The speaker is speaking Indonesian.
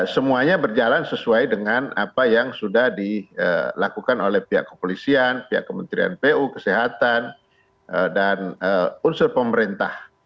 semuanya berjalan sesuai dengan apa yang sudah dilakukan oleh pihak kepolisian pihak kementerian pu kesehatan dan unsur pemerintah